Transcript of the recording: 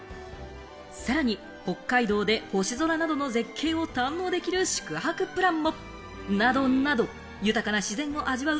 さらに北海道で星空などの絶景を堪能できる宿泊プランも。などなど豊かな自然を味わう